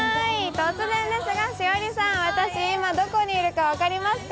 突然ですが、栞里さん、私、今どこにいるか分かりますか？